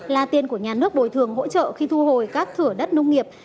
là tiền của nhà nước bồi thường hỗ trợ khi thu hồi các thửa đất nông nghiệp